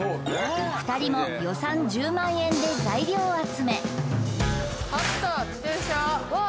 ２人も予算１０万円で材料集めわっ